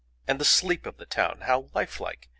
And the sleep of the town, how life like!